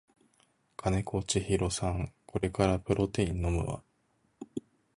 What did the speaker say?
金子千尋さんこれからプロテイン飲むわ